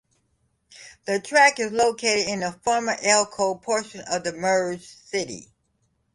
The track is located in the former Elko portion of the merged city.